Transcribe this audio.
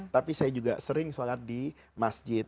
tapi saya juga sering sholat di masjid